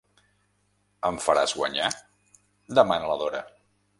Em faràs guanyar? —demana la Dora.